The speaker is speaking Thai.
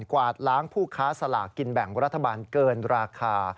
กวาดล้างผู้ค้าสลากกินแบ่งรัฐบาลเกินราคา